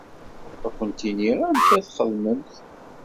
Ad kent-iniɣ amek ad t-txedmemt.